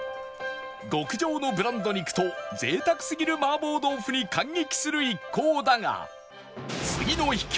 極上のブランド肉と贅沢すぎる麻婆豆腐に感激する一行だが